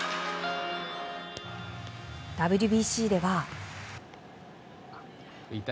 ＷＢＣでは。